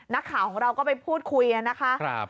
นักข่าวของเราก็ไปพูดคุยนะคะ